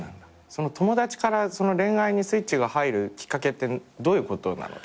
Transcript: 友達から恋愛にスイッチが入るきっかけってどういうことなの？